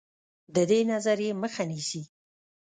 د دې نظریې مخه نیسي.